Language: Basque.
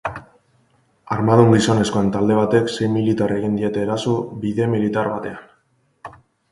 Armadun gizonezkoen talde batek sei militarri egin diete eraso, bide militar batean.